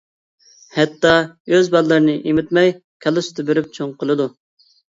ھەتتا ئۆز بالىلىرىنى ئېمىتمەي كالا سۈتى بېرىپ چوڭ قىلىدۇ.